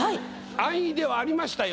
安易ではありましたよ。